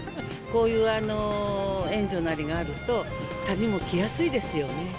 こういう援助なりがあると、旅も来やすいですよね。